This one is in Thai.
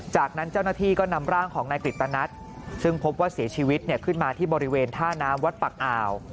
จากนั้นเจ้าหน้าที่ก็นำร่างของนายกฤตนัทซึ่งพบว่าเสียชีวิตขึ้นมาที่บริเวณท่าน้ำวัดปักอ่าว